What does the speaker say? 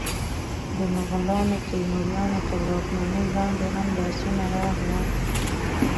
د مغولانو، تیموریانو تر واکمنۍ لاندې هم دا سیمه راغله.